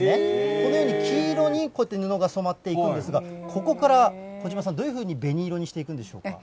このように黄色に、こうやって布が染まっていくんですが、ここから小島さん、どういうふうにべに色にしていくんでしょうか。